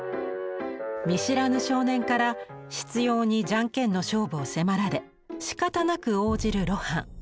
見知らぬ少年から執ように「ジャンケン」の勝負を迫られしかたなく応じる露伴。